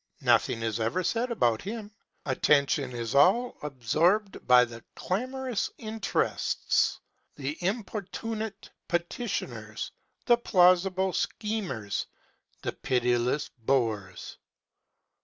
Nothing is ever said about him. Attention is all absorbed by the clamorous interests, the importunate petitioners, the plausible schemers, the pitiless bores.